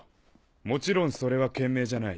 もちろんそれは賢明じゃない。